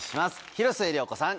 広末涼子さん